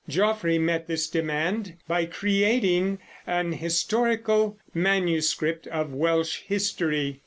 Geoffrey met this demand by creating an historical manuscript of Welsh history.